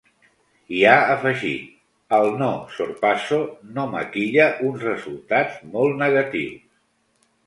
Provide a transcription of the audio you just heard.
I ha afegit: ‘El no ‘sorpasso’ no maquilla uns resultats molt negatius’.